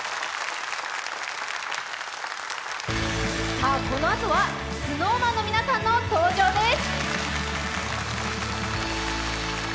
さあ、このあとはＳｎｏｗＭａｎの登場です。